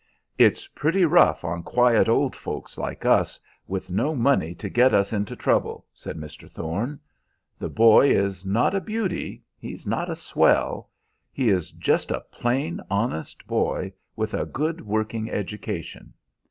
"It's pretty rough on quiet old folks like us, with no money to get us into trouble," said Mr. Thorne. "The boy is not a beauty, he's not a swell. He is just a plain, honest boy with a good working education.